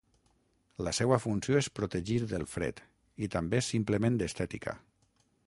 La seua funció és protegir del fred, i també simplement estètica.